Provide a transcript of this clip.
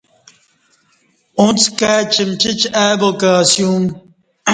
اݩڅ کائ چِمچچ آئی با کہ اسیوم۔